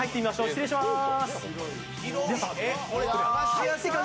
失礼します。